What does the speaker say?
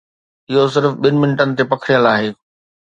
اهو صرف ٻن منٽن تي پکڙيل آهي.